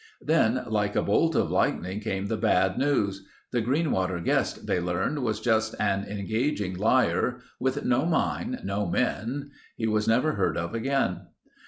Then like a bolt of lightning came the bad news. The Greenwater guest, they learned, was just an engaging liar, with no mine, no men. He was never heard of again.